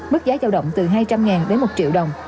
mức giá giao động từ hai trăm linh đến một triệu đồng